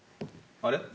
あれ？